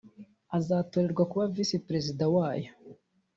aza gutorerwa kuba Visi Perezida wayo